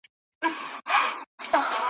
ما يې لاره كړه بدله و بازار ته `